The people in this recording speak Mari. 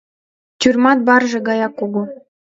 Тюрьмат барже гаяк кугу.